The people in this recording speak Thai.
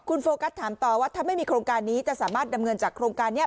คุณโฟกัสถามต่อว่าถ้าไม่มีโครงการนี้จะสามารถดำเนินจากโครงการนี้